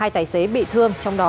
hai tài xế bị thương